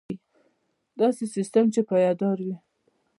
داسې سیستم چې پایدار وي.